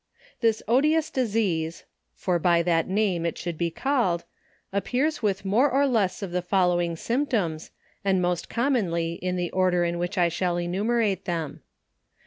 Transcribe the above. This odious disease (for by that name it should be call ed) appears with more or less of the following symptoms, and most commonly in the order in which I shall enume rate them.